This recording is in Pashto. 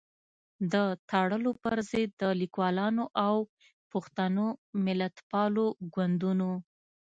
د تړلو پر ضد د ليکوالانو او پښتنو ملتپالو ګوندونو